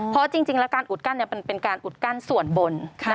เพราะจริงแล้วการอุดกั้นเป็นการอุดกั้นส่วนบน